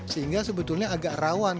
sehingga sebetulnya agak rawan